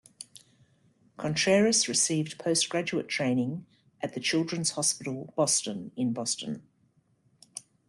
Contreras received post-graduate training at the Children's Hospital Boston in Boston.